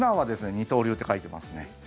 二刀流って書いてますね。